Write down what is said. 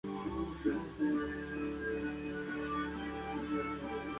Su protagonista, el El Capitán Pantera...